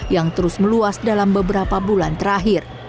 yang terus meluas dalam beberapa bulan terakhir